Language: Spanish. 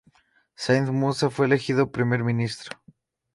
Said Musa fue elegido Primer ministro.